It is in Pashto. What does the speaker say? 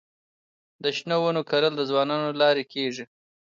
د شنو ونو کرل د ځوانانو له لارې کيږي.